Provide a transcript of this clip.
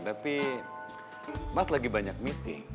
tapi mas lagi banyak meeting